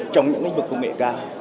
trong những ngân vực công nghệ cao